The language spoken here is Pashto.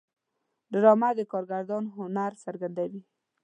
ډرامه د کارگردان هنر څرګندوي